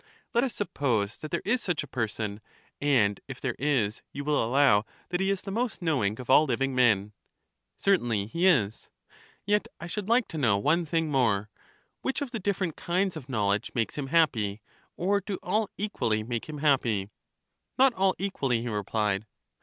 Let us suppose that there is such a person, and if there is, you will allow that he is the most knowing of all living men. Certainly he is. Yet I should like to know one thing more: which of the different kinds of knowledge makes him happy? or do all equally make him happy? Not all equally, he replied.